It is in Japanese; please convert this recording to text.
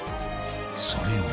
［それは］